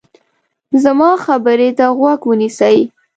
زما خبرې ته غوږ ونیسئ.